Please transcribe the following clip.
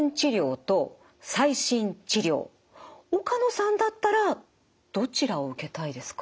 岡野さんだったらどちらを受けたいですか？